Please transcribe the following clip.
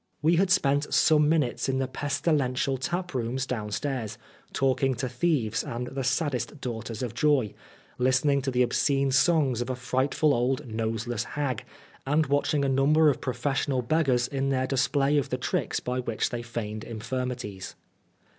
We had spent some minutes in the pestilential taprooms downstairs, talking to thieves and the saddest daughters of joy, listening to the obscene songs of a frightful old, noseless hag, and watching a number of professional beggars in their display of the tricks by which they feigned infirmities.